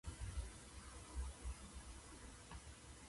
秋涼秋雨秋晴夜長紅葉秋麗初霜